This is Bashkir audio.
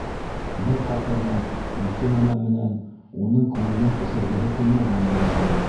Бер ҡатарҙан ике нәмә менән уның күңелен төшөргөһө килмәгәндер инде.